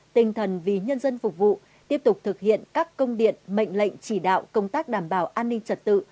tinh thần vì nhân dân phục vụ tiếp tục thực hiện các công điện mệnh lệnh chỉ đạo công tác đảm bảo an ninh trật tự